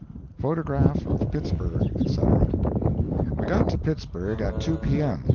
PHOTOGRAPH OF PITTSBURG, ETC. We got to Pittsburg at 2 P.M.